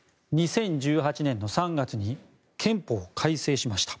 ２０１８年の３月に憲法を改正しました。